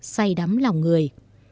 xây đắm lòng người